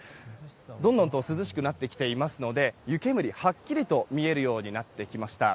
どんどんと涼しくなってきていますので湯けむりがはっきりと見えるようになってきました。